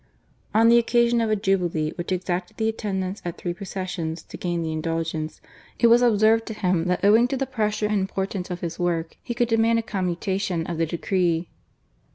On the occasion of a jubilee which exacted the attendance at three processions to gain the Indulgence, it was observed to him that owing to the pressure and importance of his work he could demand a commutation of the decree.